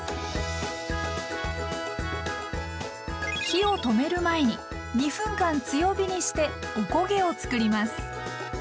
火を止める前に２分間強火にしておこげをつくります。